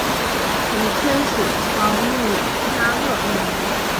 以天使长米迦勒命名。